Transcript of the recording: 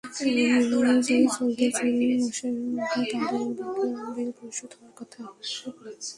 নিয়মানুযায়ী চলতি জুন মাসের মধ্যে তাঁদের বকেয়া বিল পরিশোধ হওয়ার কথা।